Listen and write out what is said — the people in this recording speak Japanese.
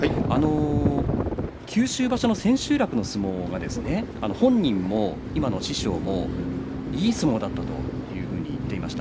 九州場所の千秋楽の相撲が本人も今の師匠もいい相撲だったと言っていました。